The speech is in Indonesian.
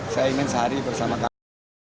saya ingin sehari bersama kang aher